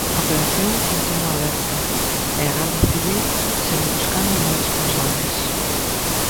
A operación continúa aberta e a Garda Civil segue buscando máis responsables.